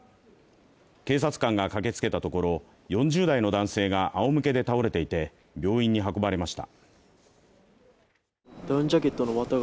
警察官が駆けつけたところ４０代の男性があお向けで倒れていて、病院に運ばれました。